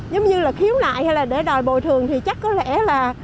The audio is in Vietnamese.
giống như là khiếu nại hay là để đòi bồi thường thì chắc có lẽ là